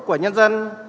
của nhân dân